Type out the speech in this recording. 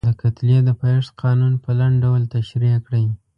د کتلې د پایښت قانون په لنډ ډول تشریح کړئ.